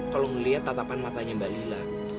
kalau melihat tatapan matanya mbak lila